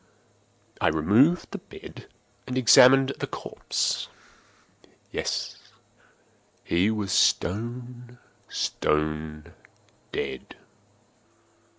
I removed the bed and examined the corpse. Yes, he was stone, stone dead.